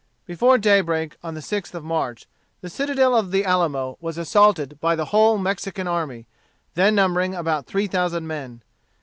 Before daybreak on the 6th of March, the citadel of the Alamo was assaulted by the whole Mexican army, then numbering about three thousand men.